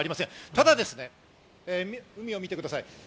ただ海を見てください。